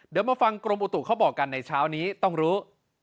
เดี๋ยวมาฟังกรมอุตุเขาบอกกันในเช้านี้ต้องรู้